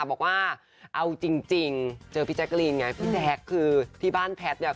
บอกว่าเอาจริงเจอพี่แจ๊กรีนไงพี่แจ๊คคือที่บ้านแพทย์เนี่ย